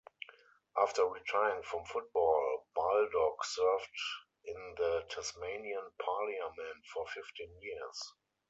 After retiring from football, Baldock served in the Tasmanian Parliament for fifteen years.